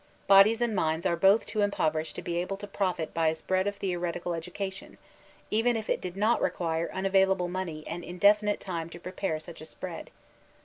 Bodies and minds are both too impoverished to be able to profit by a spread of theoretical education, even if it did not require unavail ^le money and indefinite time to prepare such a spread.